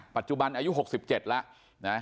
ปัจจุบันอายุ๖๗แล้วนะ